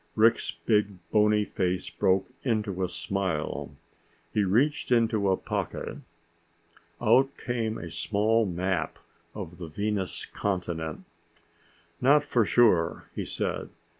Rick's big, bony face broke into a smile. He reached into a pocket. Out came a small map of the Venus continent. "Not for sure," he said.